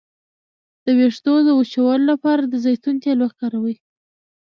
د ویښتو د وچوالي لپاره د زیتون تېل وکاروئ